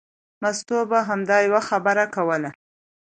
مستو به همدا یوه خبره کوله.